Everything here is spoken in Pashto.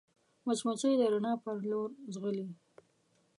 مچمچۍ د رڼا پر لور ځغلي